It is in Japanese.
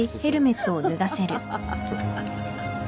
ハハハハ。